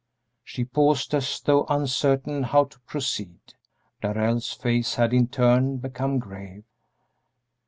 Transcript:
She paused as though uncertain how to proceed. Darrell's face had in turn become grave.